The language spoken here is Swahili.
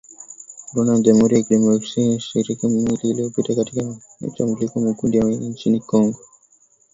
Rwanda na Jamhuri ya kidemokrasia ya Kongo zilishirikiana katika operesheni ya kijeshi miaka miwili iliyopita katika kukabiliana na makundi ya waasi nchini Kongo